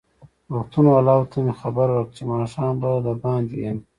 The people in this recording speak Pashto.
روغتون والاوو ته مې خبر ورکړ چې ماښام به دباندې یم.